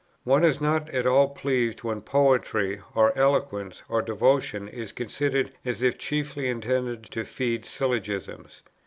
One is not at all pleased when poetry, or eloquence, or devotion, is considered as if chiefly intended to feed syllogisms.